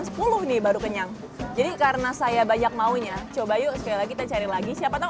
sepuluh nih baru kenyang jadi karena saya banyak maunya coba yuk sekali lagi kita cari lagi siapa tahu